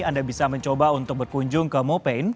anda bisa mencoba untuk berkunjung ke mopain